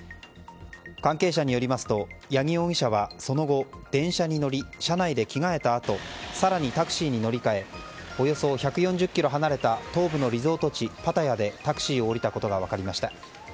関係者によりますと八木容疑者はその後、電車に乗り車内で着替えたあと更にタクシーに乗り換えおよそ１４０ｋｍ離れた東部のリゾート地パタヤでタクシーを降りたことが分かりました。